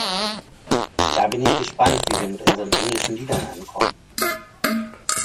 Da bin ich gespannt, wie wir mit unseren englischen Liedern ankommen.